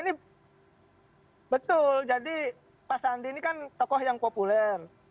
ini betul jadi pak sandi ini kan tokoh yang populer